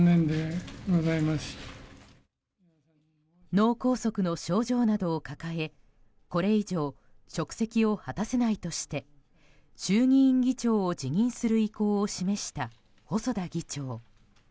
脳梗塞の症状などを抱えこれ以上職責を果たせないとして衆議院議長を辞任する意向を示した細田議長。